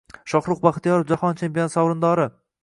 Shohruh Baxtiyorov jahon chempionati sovrindori!ng